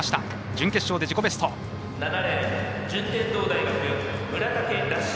準決勝で自己ベスト、高橋佑輔。